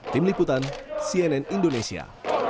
tim liputan cnn indonesia